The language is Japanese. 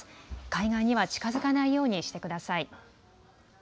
海岸には近づかないようにしてください。